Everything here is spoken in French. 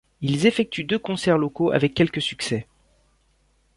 Ils effectuent deux concerts locaux avec quelque succès.